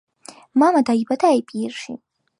მამა დაიბადა ეპირში.